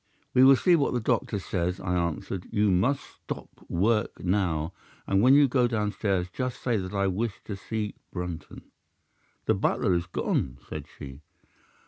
"'"We will see what the doctor says," I answered. "You must stop work now, and when you go downstairs just say that I wish to see Brunton." "'"The butler is gone," said she.